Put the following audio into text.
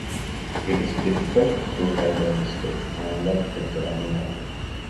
It is difficult to tie by mistake, unlike the granny knot.